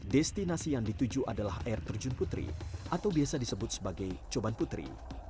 destinasi yang dituju adalah air terjun putri atau biasa disebut sebagai coban putri